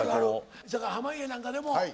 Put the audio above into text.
せやから濱家なんかでも。